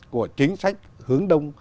của chính sách hướng đông